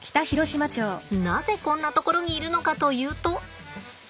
なぜこんなところにいるのかというと。